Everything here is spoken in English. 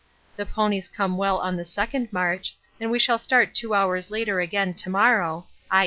The ponies came well on the second march and we shall start 2 hours later again to morrow, i.